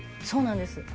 そうなんです